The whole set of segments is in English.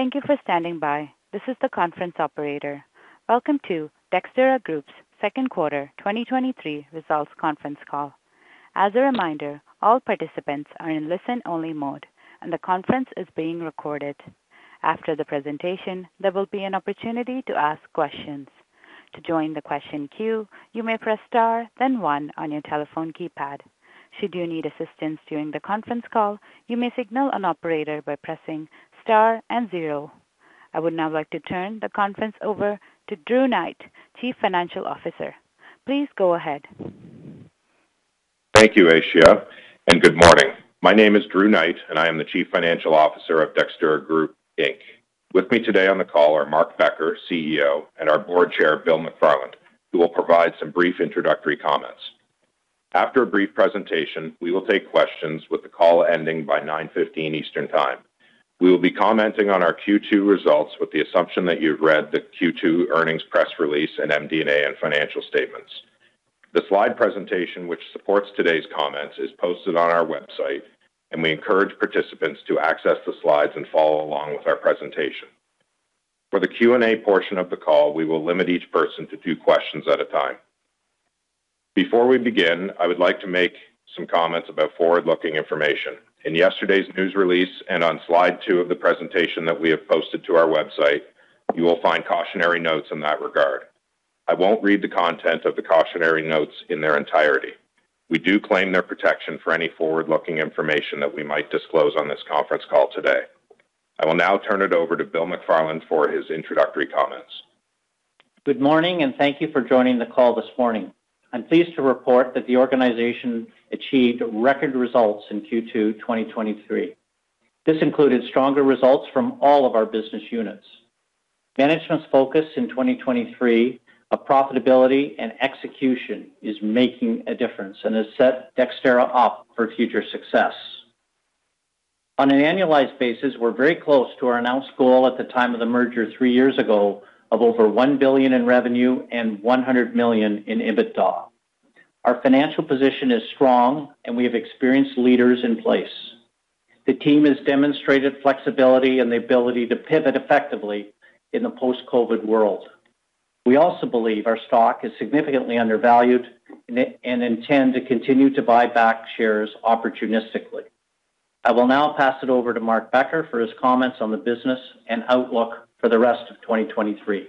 Thank you for standing by. This is the conference operator. Welcome to Dexterra Group's second quarter 2023 results conference call. As a reminder, all participants are in listen-only mode, and the conference is being recorded. After the presentation, there will be an opportunity to ask questions. To join the question queue, you may press star, then 1 on your telephone keypad. Should you need assistance during the conference call, you may signal an operator by pressing star and 0. I would now like to turn the conference over to Drew Knight, Chief Financial Officer. Please go ahead. Thank you, Ishia, and good morning. My name is Drew Knight, and I am the Chief Financial Officer of Dexterra Group Inc. With me today on the call are Mark Becker, CEO, and our Board Chair, Bill McFarland, who will provide some brief introductory comments. After a brief presentation, we will take questions, with the call ending by 9:15 A.M. Eastern Time. We will be commenting on our Q2 results with the assumption that you've read the Q2 earnings press release and MD&A and financial statements. The slide presentation, which supports today's comments, is posted on our website, and we encourage participants to access the slides and follow along with our presentation. For the Q&A portion of the call, we will limit each person to 2 questions at a time. Before we begin, I would like to make some comments about forward-looking information. In yesterday's news release and on slide two of the presentation that we have posted to our website, you will find cautionary notes in that regard. I won't read the content of the cautionary notes in their entirety. We do claim their protection for any forward-looking information that we might disclose on this conference call today. I will now turn it over to Bill McFarland for his introductory comments. Good morning, thank you for joining the call this morning. I'm pleased to report that the organization achieved record results in Q2 2023. This included stronger results from all of our business units. Management's focus in 2023 of profitability and execution is making a difference and has set Dexterra up for future success. On an annualized basis, we're very close to our announced goal at the time of the merger 3 years ago of over 1 billion in revenue and 100 million in EBITDA. Our financial position is strong, we have experienced leaders in place. The team has demonstrated flexibility and the ability to pivot effectively in the post-COVID world. We also believe our stock is significantly undervalued and intend to continue to buy back shares opportunistically. I will now pass it over to Mark Becker for his comments on the business and outlook for the rest of 2023.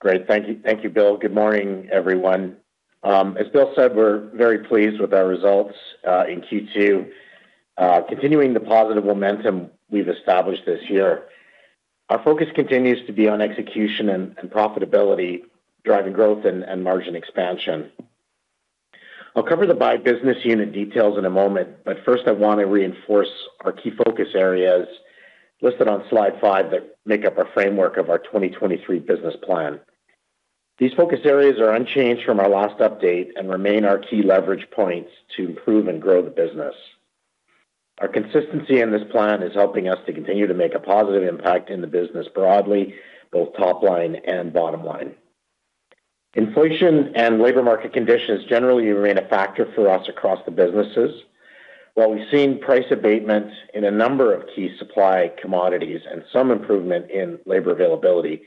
Great. Thank you. Thank you, Bill. Good morning, everyone. As Bill said, we're very pleased with our results in Q2, continuing the positive momentum we've established this year. Our focus continues to be on execution and profitability, driving growth and margin expansion. I'll cover the by business unit details in a moment, but first, I want to reinforce our key focus areas listed on slide 5 that make up our framework of our 2023 business plan. These focus areas are unchanged from our last update and remain our key leverage points to improve and grow the business. Our consistency in this plan is helping us to continue to make a positive impact in the business broadly, both top line and bottom line. Inflation and labor market conditions generally remain a factor for us across the businesses. While we've seen price abatement in a number of key supply commodities and some improvement in labor availability,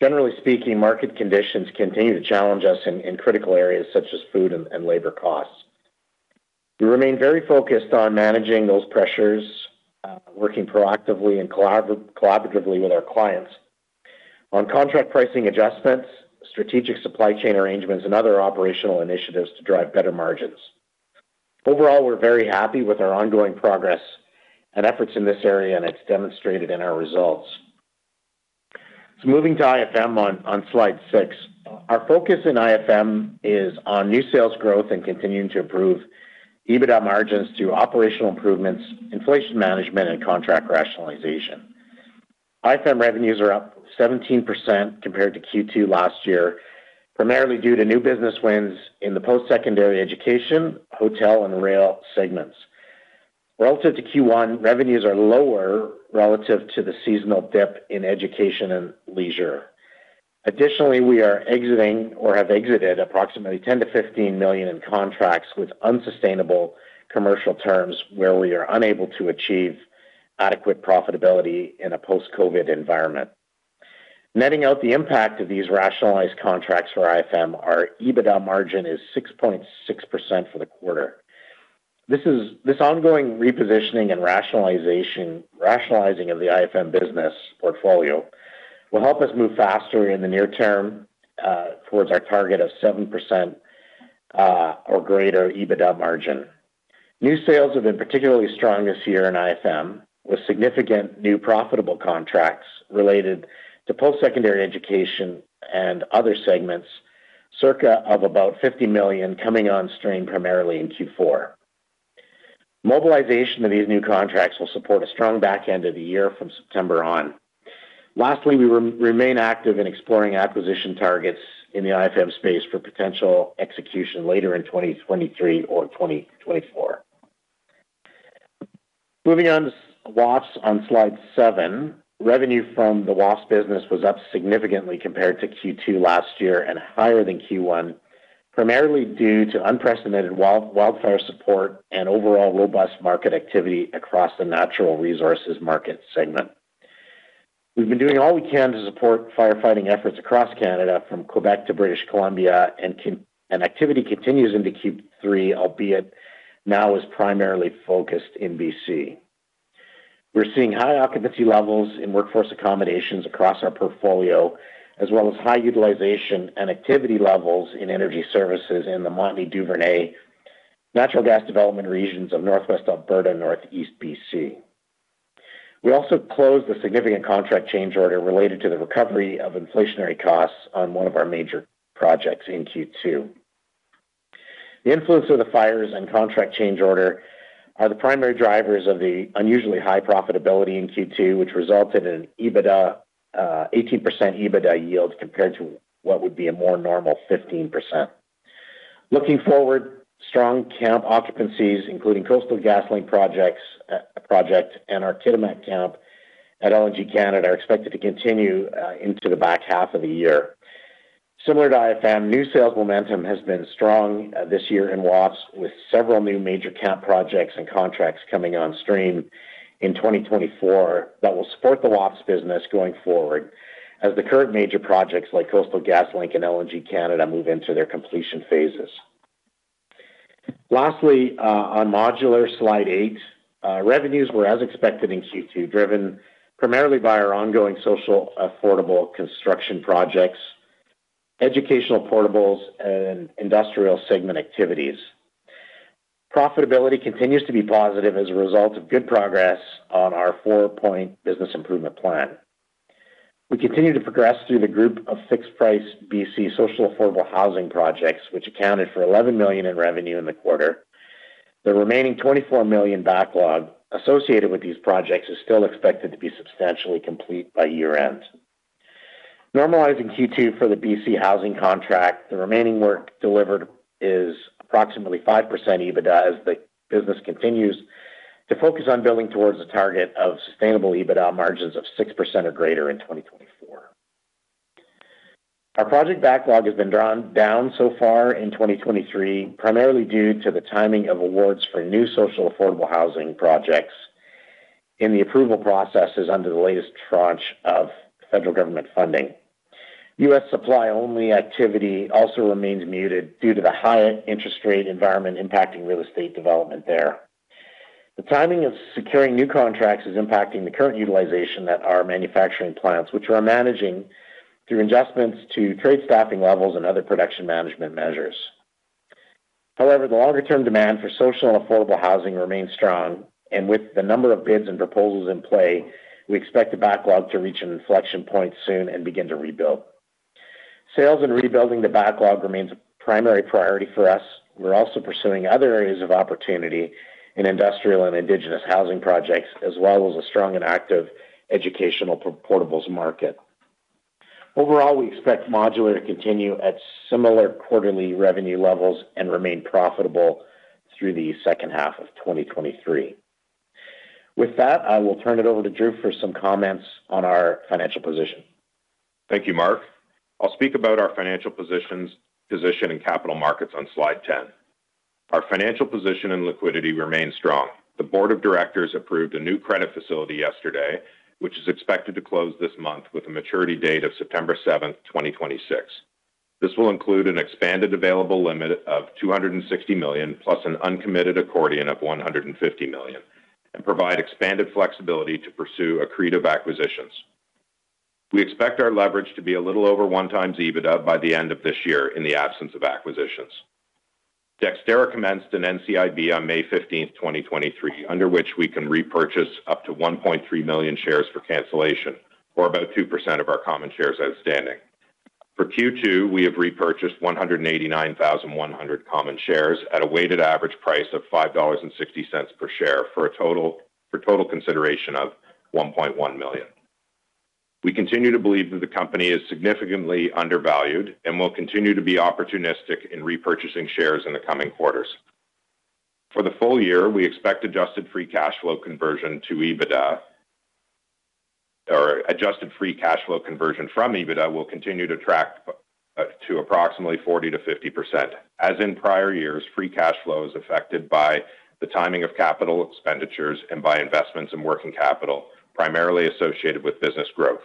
generally speaking, market conditions continue to challenge us in critical areas such as food and labor costs. We remain very focused on managing those pressures, working proactively and collaboratively with our clients on contract pricing adjustments, strategic supply chain arrangements, and other operational initiatives to drive better margins. Overall, we're very happy with our ongoing progress and efforts in this area, and it's demonstrated in our results. Moving to IFM on slide six. Our focus in IFM is on new sales growth and continuing to improve EBITDA margins through operational improvements, inflation management, and contract rationalization. IFM revenues are up 17% compared to Q2 last year, primarily due to new business wins in the post-secondary education, hotel, and rail segments. Relative to Q1, revenues are lower relative to the seasonal dip in education and leisure. Additionally, we are exiting or have exited approximately 10 million-15 million in contracts with unsustainable commercial terms, where we are unable to achieve adequate profitability in a post-COVID environment. Netting out the impact of these rationalized contracts for IFM, our EBITDA margin is 6.6% for the quarter. This ongoing repositioning and rationalizing of the IFM business portfolio will help us move faster in the near term, towards our target of 7% or greater EBITDA margin. New sales have been particularly strong this year in IFM, with significant new profitable contracts related to post-secondary education and other segments, circa of about 50 million coming on stream primarily in Q4. Mobilization of these new contracts will support a strong back end of the year from September on. Lastly, we remain active in exploring acquisition targets in the IFM space for potential execution later in 2023 or 2024. Moving on to WAFES on slide 7. Revenue from the WAFES business was up significantly compared to Q2 last year and higher than Q1. primarily due to unprecedented wildfire support and overall robust market activity across the natural resources market segment. We've been doing all we can to support firefighting efforts across Canada, from Quebec to British Columbia, and activity continues into Q3, albeit now is primarily focused in BC. We're seeing high occupancy levels in workforce accommodations across our portfolio, as well as high utilization and activity levels in energy services in the Montney/Duvernay natural gas development regions of Northwest Alberta and Northeast BC. We also closed a significant contract change order related to the recovery of inflationary costs on one of our major projects in Q2. The influence of the fires and contract change order are the primary drivers of the unusually high profitability in Q2, which resulted in EBITDA, 18% EBITDA yield compared to what would be a more normal 15%. Looking forward, strong camp occupancies, including Coastal GasLink projects, project, and our Kitimat camp at LNG Canada, are expected to continue into the back half of the year. Similar to IFM, new sales momentum has been strong this year in WAFES, with several new major camp projects and contracts coming on stream in 2024, that will support the WAFES business going forward as the current major projects like Coastal GasLink and LNG Canada move into their completion phases. Lastly, on modular, slide 8, revenues were as expected in Q2, driven primarily by our ongoing social affordable construction projects, educational portables, and industrial segment activities. Profitability continues to be positive as a result of good progress on our four-point business improvement plan. We continue to progress through the group of fixed price BC Social Affordable Housing projects, which accounted for 11 million in revenue in the quarter. The remaining 24 million backlog associated with these projects is still expected to be substantially complete by year-end. Normalizing Q2 for the BC Housing contract, the remaining work delivered is approximately 5% EBITDA, as the business continues to focus on building towards a target of sustainable EBITDA margins of 6% or greater in 2024. Our project backlog has been drawn down so far in 2023, primarily due to the timing of awards for new social affordable housing projects in the approval processes under the latest tranche of federal government funding. U.S. supply-only activity also remains muted due to the high interest rate environment impacting real estate development there. The timing of securing new contracts is impacting the current utilization at our manufacturing plants, which we are managing through adjustments to trade staffing levels and other production management measures. However, the longer-term demand for social and affordable housing remains strong, and with the number of bids and proposals in play, we expect the backlog to reach an inflection point soon and begin to rebuild. Sales and rebuilding the backlog remains a primary priority for us. We're also pursuing other areas of opportunity in industrial and Indigenous housing projects, as well as a strong and active educational portables market. Overall, we expect modular to continue at similar quarterly revenue levels and remain profitable through the second half of 2023. With that, I will turn it over to Drew for some comments on our financial position. Thank you, Mark. I'll speak about our financial position in capital markets on slide 10. Our financial position and liquidity remain strong. The board of directors approved a new credit facility yesterday, which is expected to close this month with a maturity date of September 7, 2026. This will include an expanded available limit of 260 million, plus an uncommitted accordion of 150 million, and provide expanded flexibility to pursue accretive acquisitions. We expect our leverage to be a little over 1x EBITDA by the end of this year in the absence of acquisitions. Dexterra commenced an NCIB on May 15, 2023, under which we can repurchase up to 1.3 million shares for cancellation or about 2% of our common shares outstanding. For Q2, we have repurchased 189,100 common shares at a weighted average price of 5.60 dollars per share, for total consideration of 1.1 million. We continue to believe that the company is significantly undervalued and will continue to be opportunistic in repurchasing shares in the coming quarters. For the full year, we expect adjusted free cash flow conversion to EBITDA or adjusted free cash flow conversion from EBITDA will continue to track to approximately 40%-50%. As in prior years, free cash flow is affected by the timing of capital expenditures and by investments in working capital, primarily associated with business growth.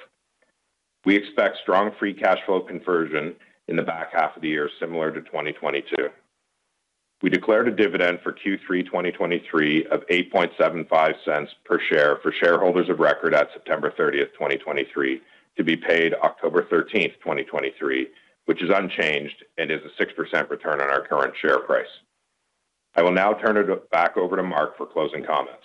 We expect strong free cash flow conversion in the back half of the year, similar to 2022. We declared a dividend for Q3 2023 of 0.0875 per share for shareholders of record at September 30, 2023, to be paid October 13, 2023, which is unchanged and is a 6% return on our current share price. I will now turn it back over to Mark for closing comments.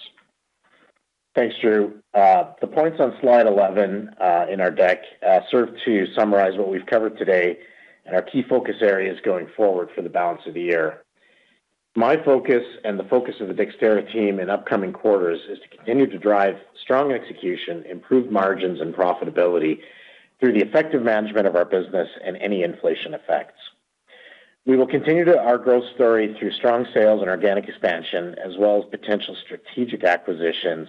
Thanks, Drew. The points on slide 11 in our deck serve to summarize what we've covered today and our key focus areas going forward for the balance of the year. My focus and the focus of the Dexterra team in upcoming quarters, is to continue to drive strong execution, improve margins and profitability through the effective management of our business and any inflation effects. We will continue to our growth story through strong sales and organic expansion, as well as potential strategic acquisitions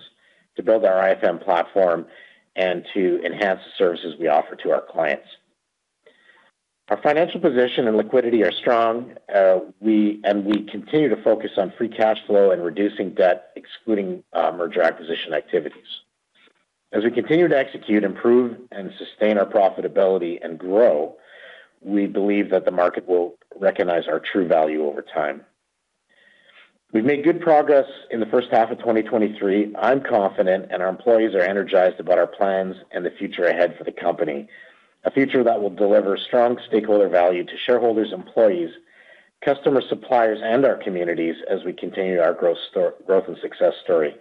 to build our IFM platform and to enhance the services we offer to our clients. Our financial position and liquidity are strong, and we continue to focus on free cash flow and reducing debt, excluding merger acquisition activities. As we continue to execute, improve, and sustain our profitability and grow, we believe that the market will recognize our true value over time. We've made good progress in the first half of 2023. I'm confident, and our employees are energized about our plans and the future ahead for the company. A future that will deliver strong stakeholder value to shareholders, employees, customer, suppliers, and our communities as we continue our growth growth and success story.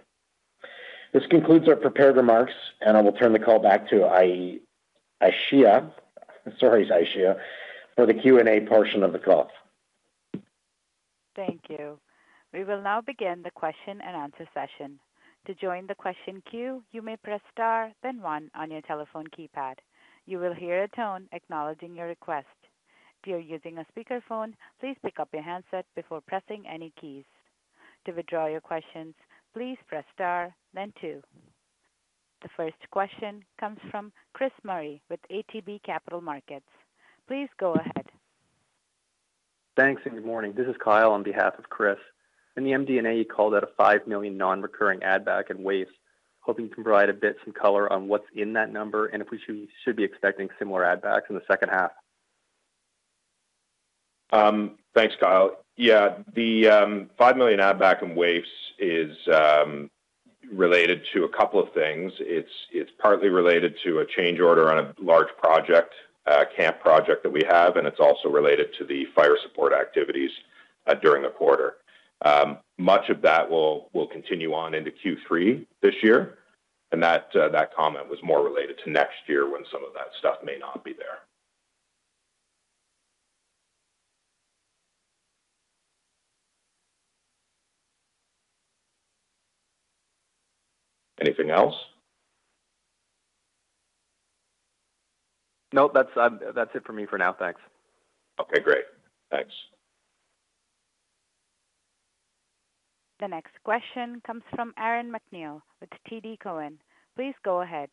This concludes our prepared remarks, I will turn the call back to Ishia. Sorry, Ishia, for the Q&A portion of the call. Thank you. We will now begin the question and answer session. To join the question queue, you may press Star, then One on your telephone keypad. You will hear a tone acknowledging your request. If you are using a speakerphone, please pick up your handset before pressing any keys. To withdraw your questions, please press Star, then Two. The first question comes from Chris Murray with ATB Capital Markets. Please go ahead. Thanks, and good morning. This is Kyle on behalf of Chris. In the MD&A, you called out a 5 million non-recurring add-back in WAFES, hoping you can provide a bit some color on what's in that number and if we should be expecting similar add-backs in the second half. Thanks, Kyle. Yeah, the 5 million add-back in WAFES is related to a couple of things. It's, it's partly related to a change order on a large project, camp project that we have, and it's also related to the fire support activities during the quarter. Much of that will, will continue on into Q3 this year, and that comment was more related to next year when some of that stuff may not be there. Anything else? No, that's it for me for now. Thanks. Okay, great. Thanks. The next question comes from Aaron MacNeil with TD Cowen. Please go ahead.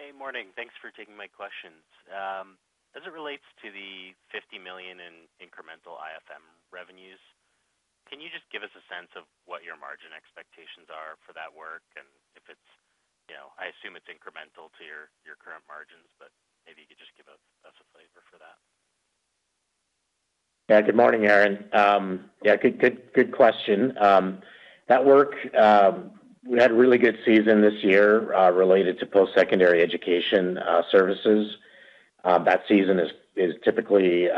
Hey, morning. Thanks for taking my questions. As it relates to the 50 million in incremental IFM revenues, can you just give us a sense of what your margin expectations are for that work? If it's... You know, I assume it's incremental to your, your current margins, but maybe you could just give us, us a flavor for that. Yeah. Good morning, Aaron. Yeah, good, good, good question. That work, we had a really good season this year, related to post-secondary education, services. That season is typically,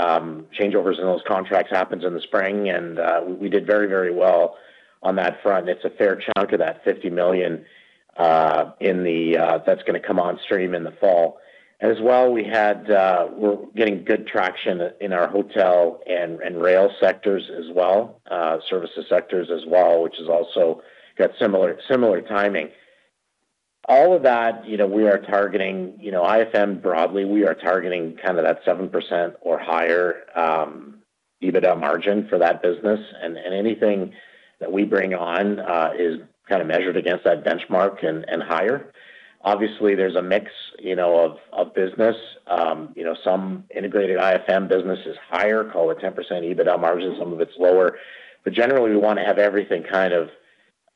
changeovers in those contracts, happens in the spring, and we did very, very well on that front. It's a fair chunk of that 50 million, in the, that's gonna come on stream in the fall. As well, we're getting good traction in our hotel and, and rail sectors as well, services sectors as well, which has also got similar, similar timing. All of that, you know, we are targeting, you know, IFM broadly, we are targeting kind of that 7% or higher, EBITDA margin for that business, and anything that we bring on, is kinda measured against that benchmark and, and higher. Obviously, there's a mix, you know, of, of business. You know, some integrated IFM business is higher, call it 10% EBITDA margin, some of it's lower. Generally, we wanna have everything kind of,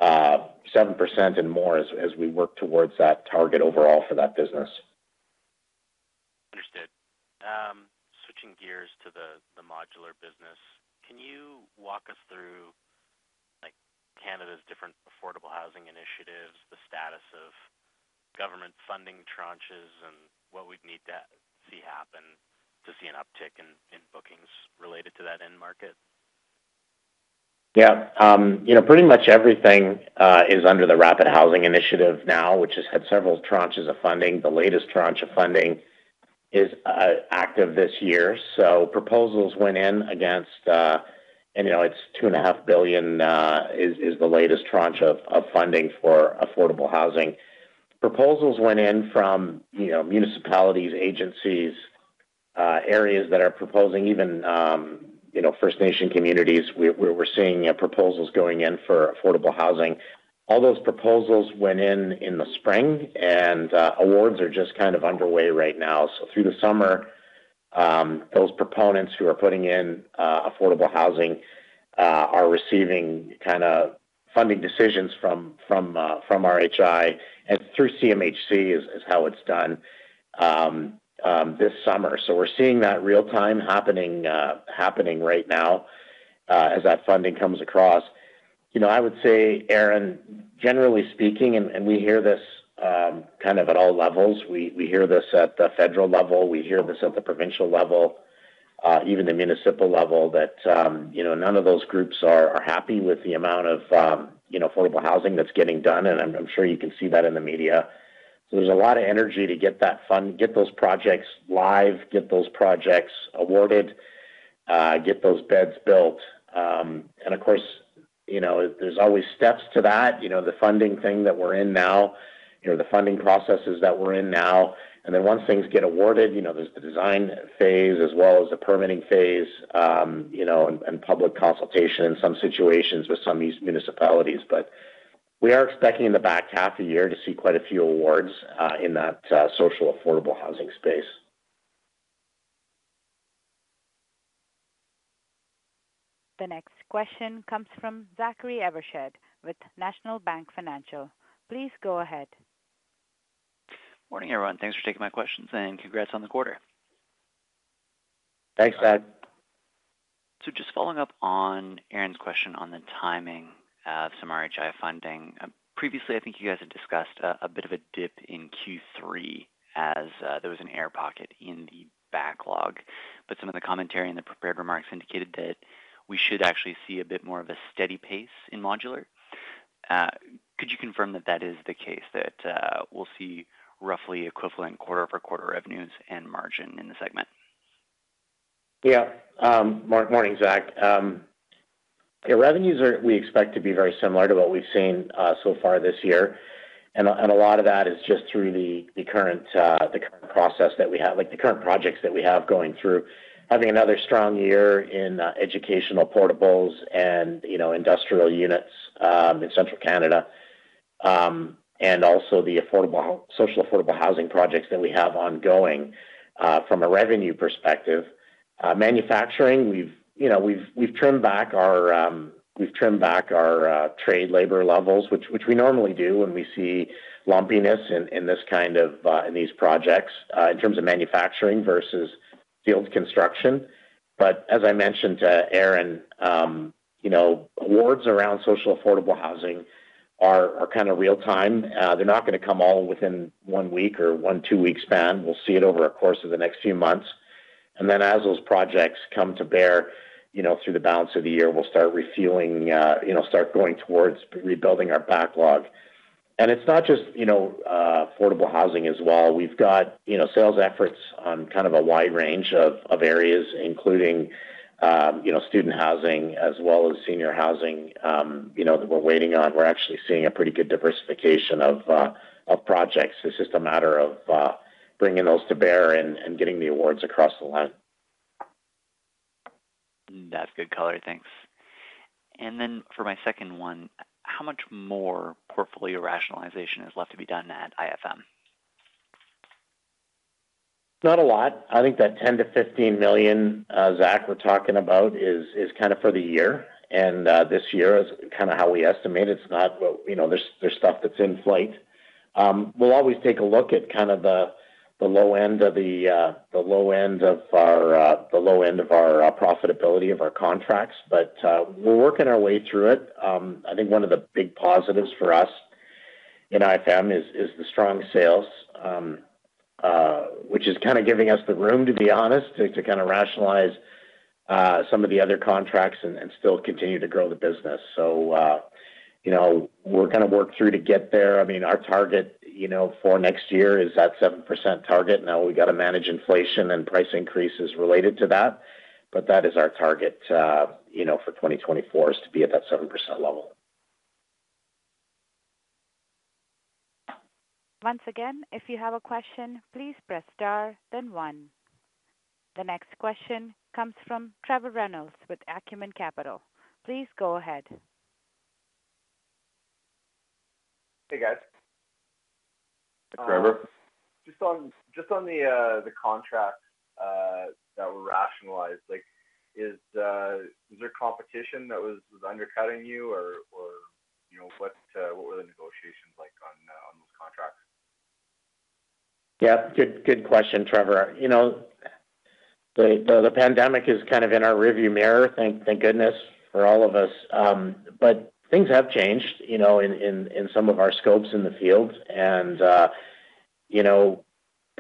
7% and more as, as we work towards that target overall for that business. Understood. switching gears to the, the modular business, can you walk us through Canada's different affordable housing initiatives, the status of government funding tranches, and what we'd need to see happen to see an uptick in, in bookings related to that end market? Yeah. You know, pretty much everything is under the Rapid Housing Initiative now, which has had several tranches of funding. The latest tranche of funding is active this year. Proposals went in against, and, you know, it's $2.5 billion is, is the latest tranche of funding for affordable housing. Proposals went in from, you know, municipalities, agencies, areas that are proposing even, you know, First Nation communities, we're seeing proposals going in for affordable housing. All those proposals went in in the spring, and awards are just kind of underway right now. Through the summer, those proponents who are putting in affordable housing are receiving kinda funding decisions from, from RHI and through CMHC, is, is how it's done this summer. We're seeing that real time happening, happening right now, as that funding comes across. You know, I would say, Aaron, generally speaking, and, and we hear this, kind of at all levels, we, we hear this at the federal level, we hear this at the provincial level, even the municipal level, that, you know, none of those groups are, are happy with the amount of, you know, affordable housing that's getting done, and I'm, I'm sure you can see that in the media. There's a lot of energy to get that fund, get those projects live, get those projects awarded, get those beds built. Of course, you know, there's always steps to that. You know, the funding thing that we're in now, you know, the funding processes that we're in now. Then once things get awarded, you know, there's the design phase as well as the permitting phase, you know, and, and public consultation in some situations with some of these municipalities. We are expecting in the back half of the year to see quite a few awards, in that, social affordable housing space. The next question comes from Zachary Evershed with National Bank Financial. Please go ahead. Morning, everyone. Thanks for taking my questions, and congrats on the quarter. Thanks, Zach. Just following up on Aaron's question on the timing of some RHI funding. Previously, I think you guys had discussed a bit of a dip in Q3 as there was an air pocket in the backlog. Some of the commentary in the prepared remarks indicated that we should actually see a bit more of a steady pace in modular. Could you confirm that that is the case, that we'll see roughly equivalent quarter-over-quarter revenues and margin in the segment? Yeah. morning, Zach. Yeah, revenues are we expect to be very similar to what we've seen so far this year. A lot of that is just through the current, like, the current projects that we have going through. Having another strong year in educational portables and, you know, industrial units in central Canada. Also the affordable social affordable housing projects that we have ongoing from a revenue perspective. Manufacturing, we've, you know, we've, we've trimmed back our, we've trimmed back our trade labor levels, which, which we normally do when we see lumpiness in this kind of in these projects in terms of manufacturing versus field construction. As I mentioned to Aaron, you know, awards around social affordable housing are, are kind of real time. They're not gonna come all within one week or one, two-week span. We'll see it over a course of the next few months. Then, as those projects come to bear, you know, through the balance of the year, we'll start refueling, you know, start going towards rebuilding our backlog. It's not just, you know, affordable housing as well. We've got, you know, sales efforts on kind of a wide range of, of areas, including, you know, student housing as well as senior housing, you know, that we're waiting on. We're actually seeing a pretty good diversification of, of projects. It's just a matter of bringing those to bear and, and getting the awards across the line. That's good color. Thanks. Then for my second one, how much more portfolio rationalization is left to be done at IFM? Not a lot. I think that 10 million-15 million, Zach, we're talking about, is, is kind of for the year. This year is kind of how we estimate. It's not, but, you know, there's, there's stuff that's in flight. We'll always take a look at kind of the, the low end of the, the low end of our, the low end of our profitability of our contracts, but, we're working our way through it. I think one of the big positives for us in IFM is, is the strong sales, which is kind of giving us the room, to be honest, to, to kind of rationalize some of the other contracts and, and still continue to grow the business. You know, we'll kind of work through to get there. I mean, our target, you know, for next year is that 7% target. We got to manage inflation and price increases related to that, but that is our target, you know, for 2024, is to be at that 7% level. Once again, if you have a question, please press Star, then 1. The next question comes from Trevor Reynolds with Acumen Capital. Please go ahead. Hey, guys. Trevor. Just on, just on the contracts that were rationalized, like, was there competition that was undercutting you, or, you know, what were the negotiations like on those contracts? Yeah, good, good question, Trevor. You know, the, the, the pandemic is kind of in our rearview mirror. Thank, thank goodness for all of us. Things have changed, you know, in, in, in some of our scopes in the field. You know,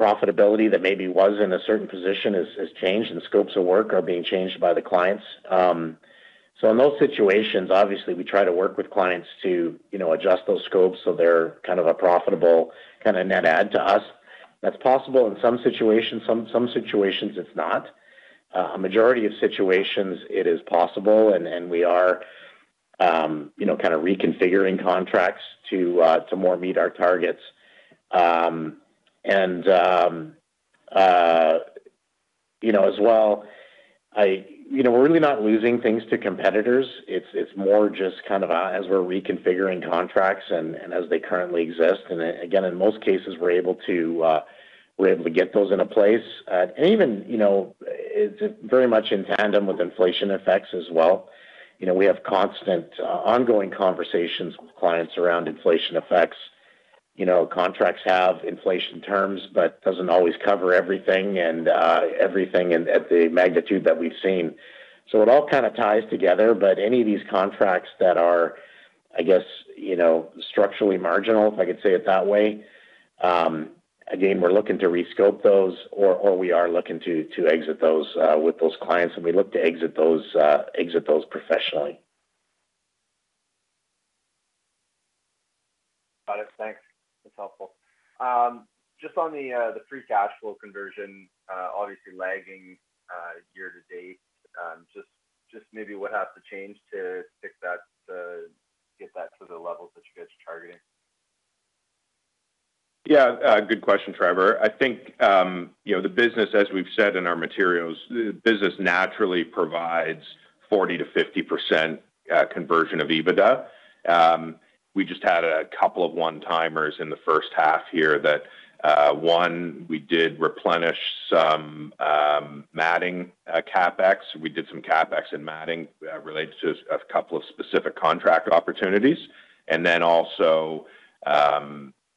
profitability that maybe was in a certain position has, has changed, and scopes of work are being changed by the clients. In those situations, obviously, we try to work with clients to, you know, adjust those scopes so they're kind of a profitable, kind of net add to us. That's possible in some situations. Some, some situations, it's not. A majority of situations, it is possible, and, and we are, you know, kind of reconfiguring contracts to more meet our targets. You know, as well, you know, we're really not losing things to competitors. It's, it's more just kind of as we're reconfiguring contracts and as they currently exist. Again, in most cases, we're able to, we're able to get those into place. Even, you know, it's very much in tandem with inflation effects as well. You know, we have constant ongoing conversations with clients around inflation effects. You know, contracts have inflation terms, but doesn't always cover everything and everything at, at the magnitude that we've seen. It all kind of ties together. Any of these contracts that are, I guess, you know, structurally marginal, if I could say it that way, again, we're looking to rescope those, or, or we are looking to, to exit those, with those clients, and we look to exit those, exit those professionally. Got it. Thanks. That's helpful.... just on the, the free cash flow conversion, obviously lagging, year to date. just, just maybe what has to change to fix that, to get that to the levels that you guys are targeting? Yeah, good question, Trevor. I think, you know, the business, as we've said in our materials, the business naturally provides 40%-50% conversion of EBITDA. We just had a couple of one-timers in the first half here that, one, we did replenish some matting CapEx. We did some CapEx in matting related to a couple of specific contract opportunities. Also,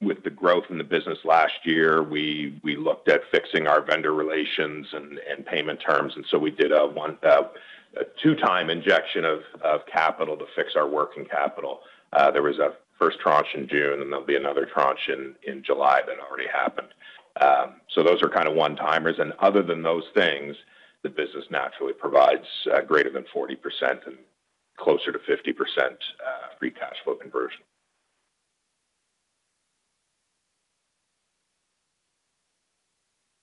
with the growth in the business last year, we, we looked at fixing our vendor relations and, and payment terms, so we did a 2-time injection of capital to fix our working capital. There was a first tranche in June, and there'll be another tranche in July that already happened. Those are kind of one-timers, and other than those things, the business naturally provides, greater than 40% and closer to 50%, free cash flow conversion.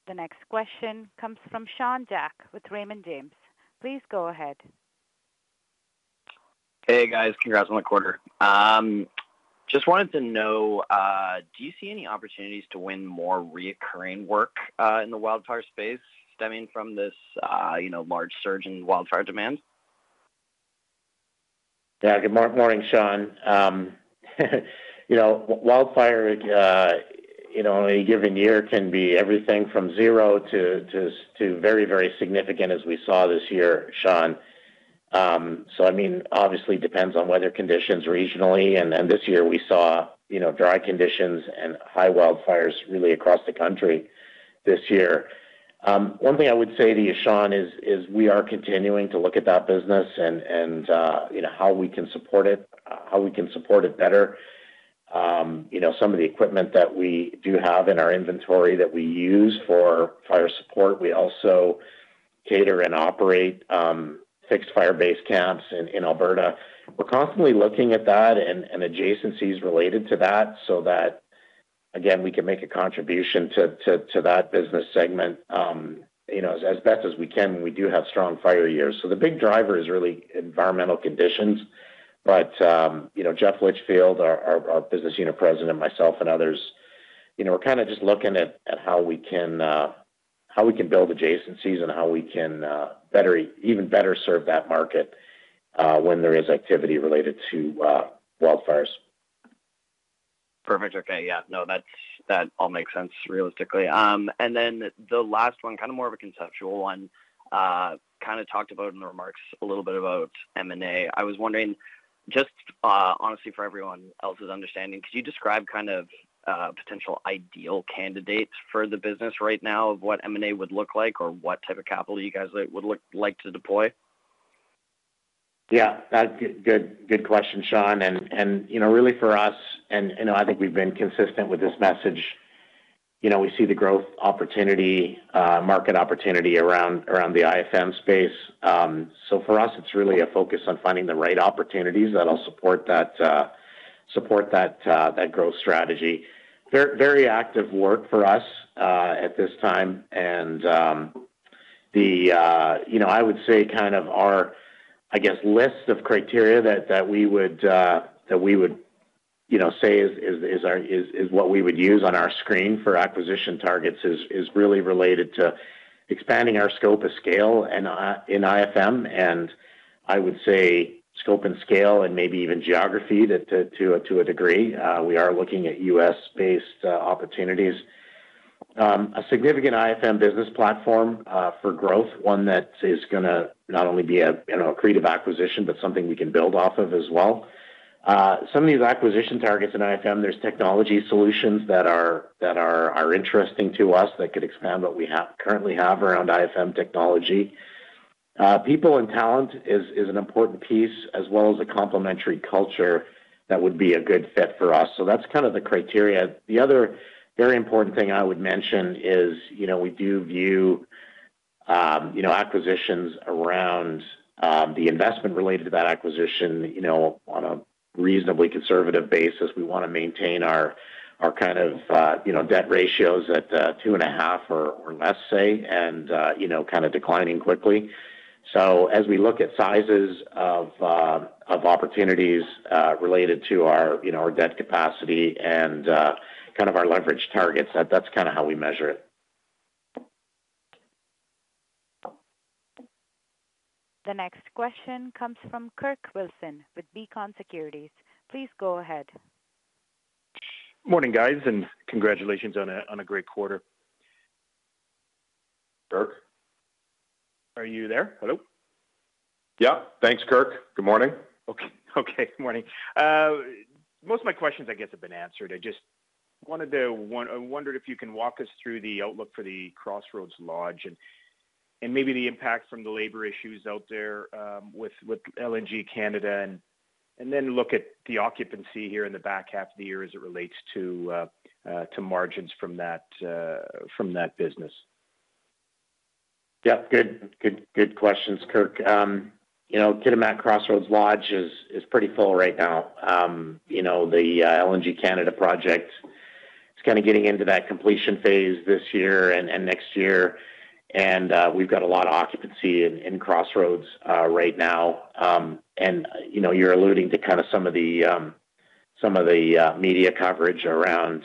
The next question comes from Sean Jack with Raymond James. Please go ahead. Hey, guys. Congrats on the quarter. Just wanted to know, do you see any opportunities to win more reoccurring work in the wildfire space stemming from this, you know, large surge in wildfire demand? Yeah. Good morning, Sean. You know, wildfire, you know, in a given year can be everything from zero to, to, to very, very significant, as we saw this year, Sean. I mean, obviously depends on weather conditions regionally, and then this year we saw, you know, dry conditions and high wildfires really across the country this year. One thing I would say to you, Sean, is, is we are continuing to look at that business and, and, you know, how we can support it better. You know, some of the equipment that we do have in our inventory that we use for fire support, we also cater and operate, fixed fire base camps in, in Alberta. We're constantly looking at that and, and adjacencies related to that, so that, again, we can make a contribution to, to, to that business segment, you know, as, as best as we can when we do have strong fire years. The big driver is really environmental conditions. You know, Jeff Litchfield, our business unit president, myself and others, you know, we're kind of just looking at, at how we can, how we can build adjacencies and how we can, better... even better serve that market, when there is activity related to, wildfires. Perfect. Okay. Yeah. No, that all makes sense realistically. The last one, kind of more of a conceptual one. Kind of talked about in the remarks a little bit about M&A. I was wondering, just, honestly, for everyone else's understanding, could you describe kind of potential ideal candidates for the business right now of what M&A would look like, or what type of capital you guys would like to deploy? Yeah, that's good. Good question, Sean. You know, really for us, and, you know, I think we've been consistent with this message, you know, we see the growth opportunity, market opportunity around, around the IFM space. For us, it's really a focus on finding the right opportunities that'll support that, support that, that growth strategy. Very, very active work for us, at this time. The, you know, I would say kind of our, I guess, list of criteria that, that we would, that we would, you know, say is, is, is our-- is, is what we would use on our screen for acquisition targets is, is really related to expanding our scope of scale and, in IFM, and I would say scope and scale and maybe even geography to, to, to a, to a degree. We are looking at U.S.-based opportunities. A significant IFM business platform for growth, one that is gonna not only be a, you know, accretive acquisition, but something we can build off of as well. Some of these acquisition targets in IFM, there's technology solutions that are, that are, are interesting to us, that could expand what we currently have around IFM technology. People and talent is, is an important piece, as well as a complementary culture that would be a good fit for us. That's kind of the criteria. The other very important thing I would mention is, you know, we do view, you know, acquisitions around the investment related to that acquisition, you know, on a reasonably conservative basis. We want to maintain our, our kind of, you know, debt ratios at 2.5 or, or less, say, and, you know, kind of declining quickly. As we look at sizes of opportunities, related to our, you know, our debt capacity and, kind of our leverage targets, that's kind of how we measure it. The next question comes from Kirk Wilson with Beacon Securities. Please go ahead. Morning, guys. Congratulations on a great quarter. Kirk? Are you there? Hello? Yeah. Thanks, Kirk. Good morning. Okay. Okay, good morning. Most of my questions, I guess, have been answered. I wondered if you can walk us through the outlook for the Crossroads Lodge and, and maybe the impact from the labor issues out there, with, with LNG Canada, and, and then look at the occupancy here in the back half of the year as it relates to margins from that business. Yep, good, good, good questions, Kirk. You know, Kitimat Crossroads Lodge is, is pretty full right now. You know, the LNG Canada project is kind of getting into that completion phase this year and next year. We've got a lot of occupancy in Crossroads Lodge right now. You know, you're alluding to kind of some of the, some of the media coverage around,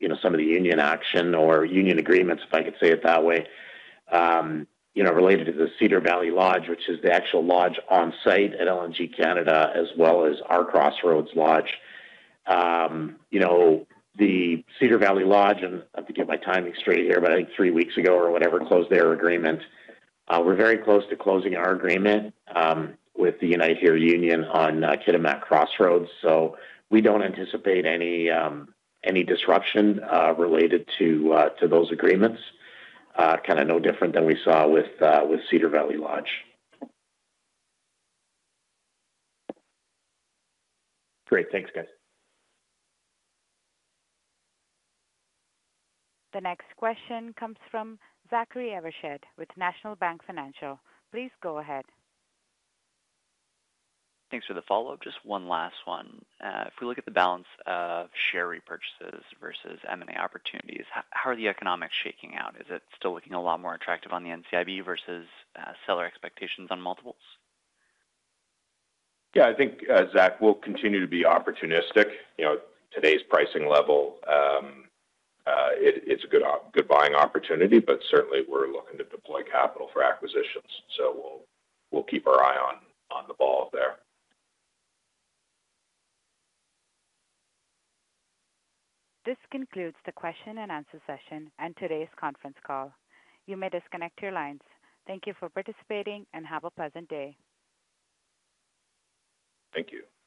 you know, some of the union action or union agreements, if I could say it that way, you know, related to the Cedar Valley Lodge, which is the actual lodge on site at LNG Canada, as well as our Crossroads Lodge. You know, the Cedar Valley Lodge, and I have to get my timing straight here, but I think 3 weeks ago or whatever, closed their agreement. o closing our agreement with the UNITE HERE on Kitimat Crossroads Lodge, so we don't anticipate any disruption related to those agreements, kind of no different than we saw with Cedar Valley Lodge Great. Thanks, guys. The next question comes from Zachary Evershed with National Bank Financial. Please go ahead. Thanks for the follow-up. Just one last one. If we look at the balance of share repurchases versus M&A opportunities, how are the economics shaking out? Is it still looking a lot more attractive on the NCIB versus seller expectations on multiples? Yeah, I think, Zach, we'll continue to be opportunistic. You know, today's pricing level, it's a good buying opportunity. Certainly we're looking to deploy capital for acquisitions. We'll, we'll keep our eye on, on the ball there. This concludes the question and answer session and today's conference call. You may disconnect your lines. Thank you for participating, and have a pleasant day. Thank you.